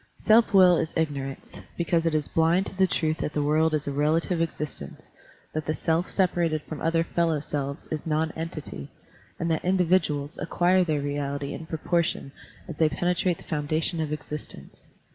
Self will is ignorance, because it is blind to the truth that the world is a relative existence, that the self, separated from other fellow selves is non entity, and that individuals acquire their reality in proportion as they penetrate the foundation of existence.